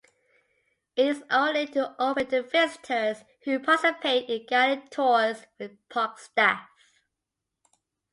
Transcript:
It is only open to visitors who participate in guided tours with park staff.